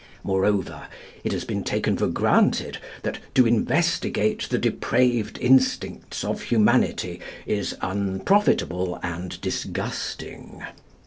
Moreover, it has been taken for granted that "to investigate the depraved instincts of humanity is unprofitable and disgusting."